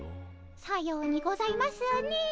さようにございますねえ。